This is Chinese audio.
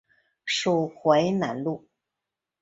属淮南东路。